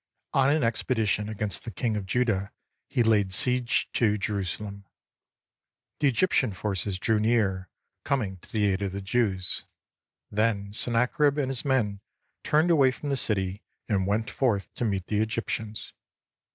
On an expedition against the King of Judah, he laid siege to Jerusalem. The Egyptian forces drew near, coming to the aid of the Jews. Then Sennacherib and his men turned away from the city and went forth to meet the Egyptians.